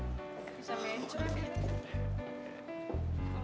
bisa match lah bi